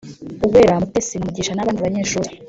Uwera, Mutesi na Mugisha n’abandi banyeshuri